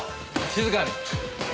静かに。